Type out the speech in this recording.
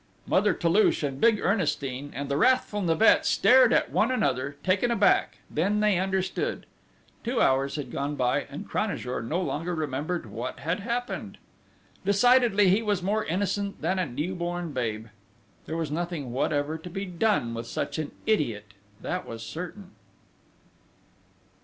Mother Toulouche, big Ernestine, and the wrathful Nibet stared at one another, taken aback then they understood: two hours had gone by, and Cranajour no longer remembered what had happened! Decidedly he was more innocent than a new born babe! There was nothing whatever to be done with such an idiot, that was certain!